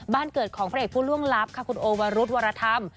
บ้านเกิดของพระเอกผู้ล่วงลับค่ะคุณโอวรุธวรธรรม